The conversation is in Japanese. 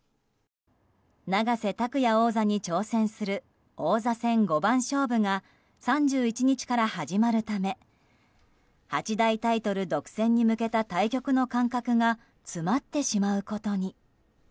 永瀬拓矢王座に挑戦する王座戦五番勝負が３１日から始まるため八大タイトル独占に向けた対局の間隔が詰まってしまうことに。